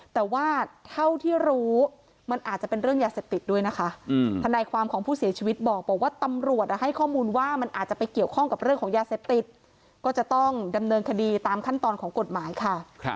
แต่ว่าเท่าที่รู้มันอาจจะเป็นเรื่องยาเสพติดด้วยนะคะทนายความของผู้เสียชีวิตบอกว่าตำรวจให้ข้อมูลว่ามันอาจจะไปเกี่ยวข้องกับเรื่องของยาเสพติดก็จะต้องดำเนินคดีตามขั้นตอนของกฎหมายค่ะ